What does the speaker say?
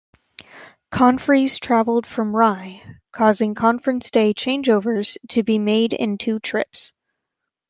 Conferees traveled from Rye, causing conference day change-overs to be made in two trips.